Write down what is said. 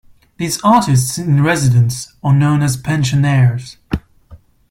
These artists-in-residence are known as pensionnaires.